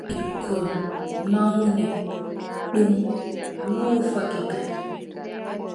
Ɓikkon mawni, ɗum wuufake kadi.